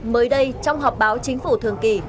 mới đây trong họp báo chính phủ thường kỳ